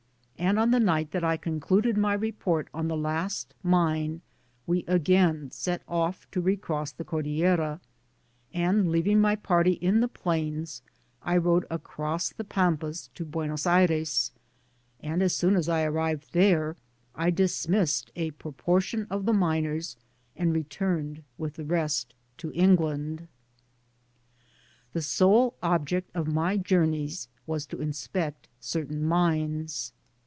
On the night that I concluded my rq>ort on the last mme/ we again set off to re cross the Cordillera ; and, ^ leaving my party in the plains, I rode across b« Digitized byGoogk Vm INTBODUCTIOK. the Pampas to Buenos Aires, and as soon as I arrived there| I dismissed a proportion of the miners, and returned vfiib the rest to England. The sole object of my journeys was to inspect certain mines.